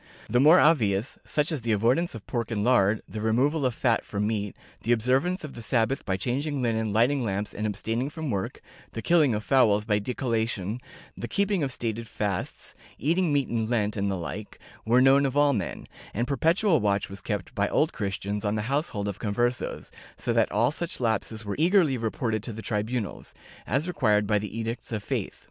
The more obvious, such as the avoidance of pork and lard, the removal of fat from meat, the observance of the Sabbath by changing linen, lighting lamps and abstaining from work, the killing of fowls by decollation, the keeping of stated fasts, eating meat in Lent and the like, were known of all men, and perpetual watch was kept by Old Christians on the households of Conversos, so that all such lapses were eagerly reported to the tribunals, as required by the Edicts of Faith.